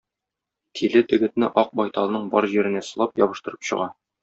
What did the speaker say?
Тиле дегетне Ак байталның бар җиренә сылап, ябыштырып чыга.